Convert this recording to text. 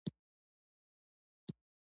پابندي غرونه د افغانستان د ځمکې د جوړښت نښه ده.